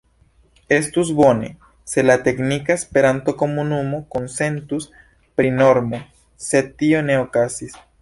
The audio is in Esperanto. Estus bone, se la teknika Esperanto-komunumo konsentus pri normo, sed tio ne okazis.